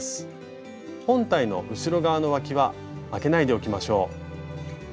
本体の後ろ側のわきはあけないでおきましょう。